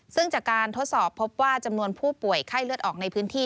ซึ่งจากการทดสอบพบว่าจำนวนผู้ป่วยไข้เลือดออกในพื้นที่